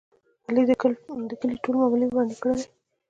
علي د کلي ټولې معاملې ورانې کړلې.